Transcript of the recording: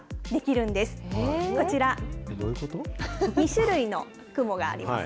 ２種類の雲があります。